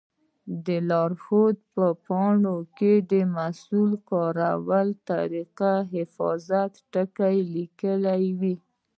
د لارښود په پاڼو کې د محصول کارولو طریقه او حفاظتي ټکي لیکلي وي.